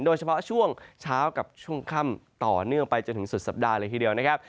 โดยเฉพาะช่วงเช้ากับช่วงค่ำต่อเนื่องไปจนถึงสุดสัปดาห์เลยทีเดียวนะครับ